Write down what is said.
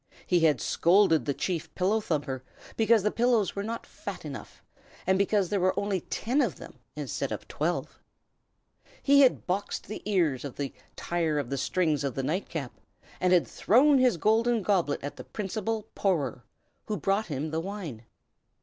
He had scolded the Chief Pillow thumper because the pillows were not fat enough, and because there were only ten of them instead of twelve. He had boxed the ears of the Tyer of the Strings of the Nightcap, and had thrown his golden goblet at the Principal Pourer, who brought him the wine.